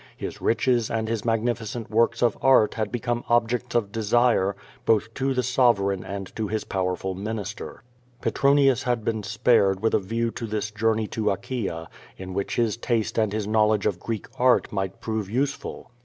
His riches and his magnificent works of art had become objects of de sire both to the sovereign and to his powerful minister. Petronius had been spared with a view to this journey to Achaea, in which his taste and his knowledge of Greek art might prove useful.